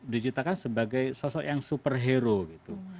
dicitakan sebagai sosok yang super hero gitu